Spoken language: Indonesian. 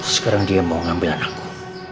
sekarang dia mau ngambil anakku